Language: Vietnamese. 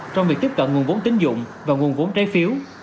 trong việc tiếp cận nguồn vốn tín dụng và nguồn vốn trái phiếu